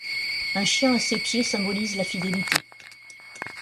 Un chien à ses pieds symbolise la fidélité.